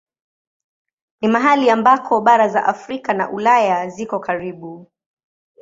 Ni mahali ambako bara za Afrika na Ulaya ziko karibu.